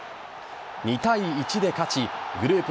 ２対１で勝ちグループ